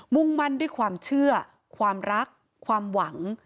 ่งมั่นด้วยความเชื่อความรักความหวัง